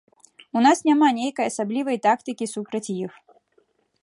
У нас няма нейкай асаблівай тактыкі супраць іх.